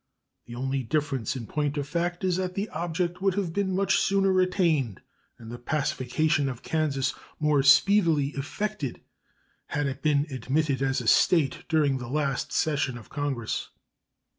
The only difference, in point of fact, is that the object would have been much sooner attained and the pacification of Kansas more speedily effected had it been admitted as a State during the last session of Congress.